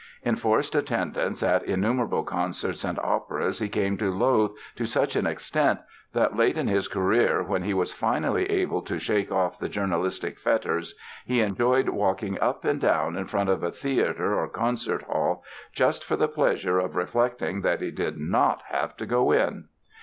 Enforced attendance at innumerable concerts and operas he came to loathe to such an extent that, late in his career when he was finally able to shake off the journalistic fetters, he enjoyed walking up and down in front of a theatre or concert hall just for the pleasure of reflecting that he did not have to go in!